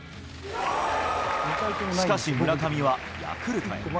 しかし、村上はヤクルトへ。